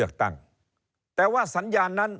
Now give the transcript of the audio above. เริ่มตั้งแต่หาเสียงสมัครลง